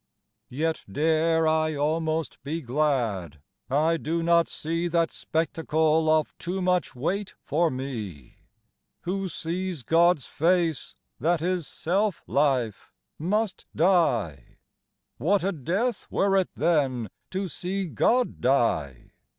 Yet dare I'almost be glad, I do not seeThat spectacle of too much weight for mee. Who sees Gods face, that is selfe life, must dye; What a death were it then to see God dye?